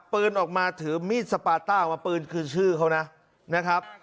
ปืนออกมาถือมีดสปาต้าออกมาปืนคือชื่อเขานะนะครับ